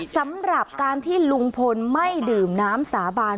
สำหรับการที่ลุงพลไม่ดื่มน้ำสาบาน